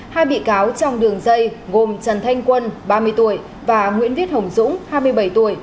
hai bị cáo trong đường dây gồm trần thanh quân ba mươi tuổi và nguyễn viết hồng dũng hai mươi bảy tuổi